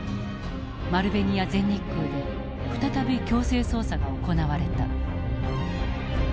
丸紅や全日空で再び強制捜査が行われた。